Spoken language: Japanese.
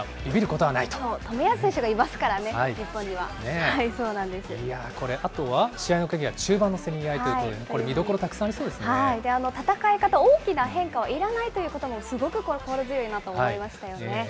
冨安選手がいますからね、日これ、あとは試合の鍵は中盤のせめぎ合いということで、これ、見どころ戦い方、大きな変化はいらないということも、本当に心強いなと思いましたよね。